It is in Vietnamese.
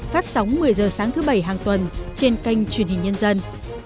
phát sóng một mươi h sáng thứ bảy hàng tuần trên kênh truyền hình nhân dân